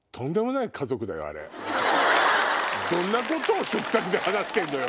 どんなことを食卓で話してるのよ。